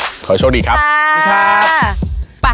ขอโชคดีครับสวัสดีครับสวัสดีครับสวัสดีครับสวัสดีครับ